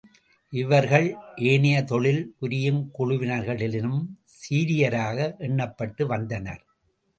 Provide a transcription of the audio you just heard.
இவர்கள் ஏனைய தொழில் புரியும் குழுவினர்களினும், சீரியராக எண்ணப்பட்டு வந்தனர்.